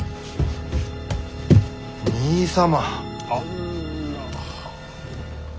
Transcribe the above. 兄様。